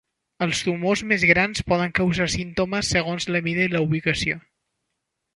Els tumors més grans poden causar símptomes, segons la mida i la ubicació.